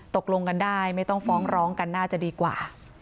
ตกลงกันได้ไม่ต้องฟ้องร้องกันน่าจะดีกว่า